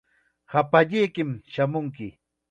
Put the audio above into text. Hapallaykim shamunki.